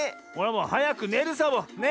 もうはやくねるサボ！ね。